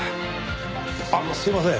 あっすいません。